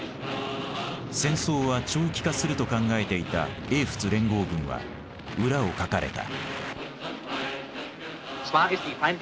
戦争は長期化すると考えていた英仏連合軍は裏をかかれた。